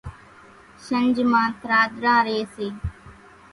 شنجھ مان ٿراۮران ريئيَ سي۔